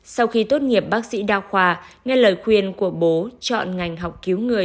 sau khi tốt nghiệp bác sĩ đa khoa nghe lời khuyên của bố chọn ngành học cứu người